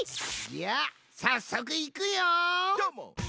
じゃあさっそくいくよん！